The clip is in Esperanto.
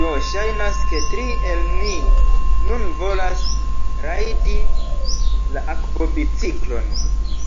Do, ŝajnas, ke tri el ni nun volas rajdi la akvobiciklon